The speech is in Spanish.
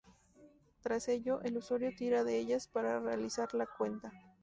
Tras ello, el usuario tira de ellas para realizar la cuenta.